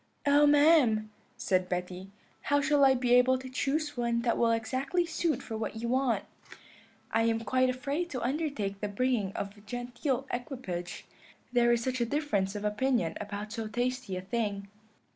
"'Oh, ma'am,' said Betty, 'how shall I be able to choose one that will exactly suit for what you want? I am quite afraid to undertake the bringing of a genteel equipage, there is such a difference of opinion about so tasty a thing.'